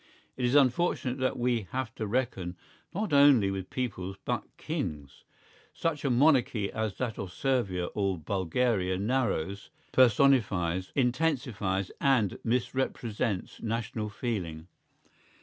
It is unfortunate that we have to reckon not only with peoples but kings. Such a monarchy as that of Servia or Bulgaria narrows, personifies, intensifies and misrepresents national feeling.